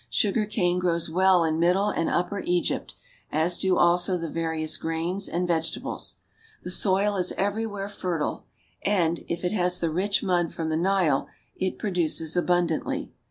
Sugar cane grows well in Middle and Upper Egypt, as do also the various grains and vegetables. The soil is everywhere fertile, and, if it has the rich mud from the Nile, it produces abundantly.